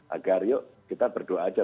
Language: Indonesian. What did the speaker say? agar yuk kita berdoa aja